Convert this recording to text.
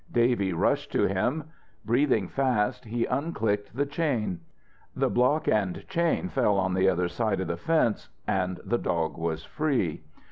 Davy rushed to him. Breathing fast, he unclicked the chain. The block an chain fell on the other side of the fence, and the dog was free.